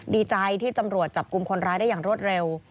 ดีใจที่ตำรวจจับกลุ่มคนร้ายได้อย่างรวดเร็ว